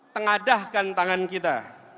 tengadahkan tangan kita